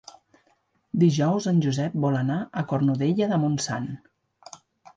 Dijous en Josep vol anar a Cornudella de Montsant.